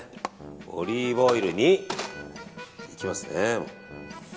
オリーブオイルに行きますね。